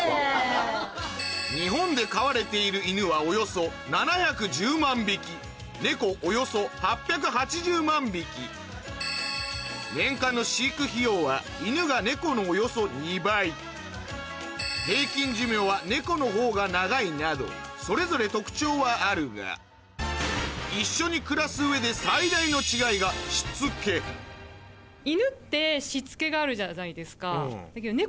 日本で飼われている犬はおよそ７１０万匹猫およそ８８０万匹年間の飼育費用は犬が猫のおよそ２倍平均寿命は猫の方が長いなどそれぞれ特徴はあるが一緒に暮らす上で最大の違いが皆さんも。